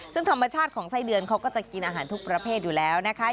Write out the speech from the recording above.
ซึ่งธรรมชาติของไส้เดือนเขาก็จะกินอาหารทุกประเภทอยู่แล้วนะคะ